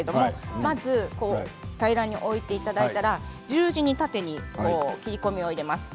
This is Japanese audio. まず平らに置いていただいたら十字に、縦に切り込みを入れます。